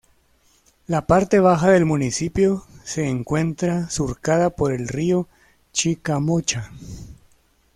La parte baja del municipio se encuentra surcada por el río Chicamocha.